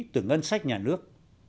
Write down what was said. từ ngân sách nhà nước